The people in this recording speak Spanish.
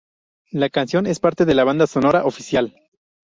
La canción es parte de la banda sonora oficial.